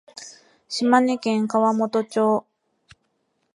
島根県川本町